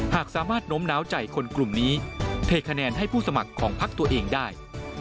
หากสามารถโน้มน้าวใจคนกลุ่มนี้เทคะแนนให้ผู้สมัครของพักตัวเองได้